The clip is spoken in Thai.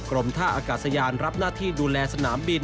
กรมท่าอากาศยานรับหน้าที่ดูแลสนามบิน